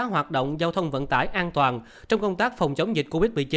hoạt động giao thông vận tải an toàn trong công tác phòng chống dịch covid một mươi chín